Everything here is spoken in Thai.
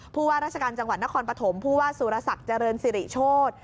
ผู้ว่ารัฐกาลจังหวัดนครปฐมผู้ว่าสุรสักจริงสิริโชฑ